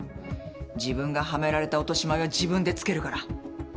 自分がはめられた落とし前は自分でつけるから。